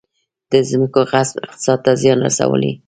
د ځمکو غصب اقتصاد ته زیان رسولی؟